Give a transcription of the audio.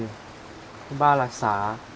thứ ba là xá